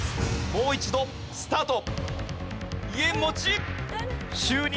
もう一度スタート。